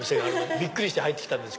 びっくりして入ってきたんです。